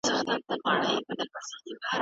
فساد ټولنه د ذلت او تباهۍ خواته وړي.